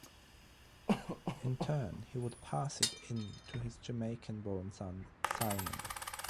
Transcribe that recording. In turn he who would pass it in to his Jamaican born son Simon.